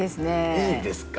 いいですか？